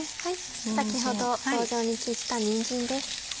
先ほど棒状に切ったにんじんです。